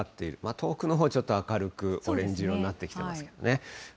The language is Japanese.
遠くのほう、ちょっと明るくオレンジ色になってきてますけどね。